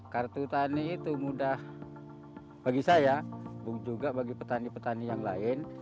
kartu tani itu mudah bagi saya juga bagi petani petani yang lain